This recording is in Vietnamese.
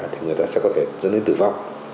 thì người ta sẽ có thể dẫn đến tử vong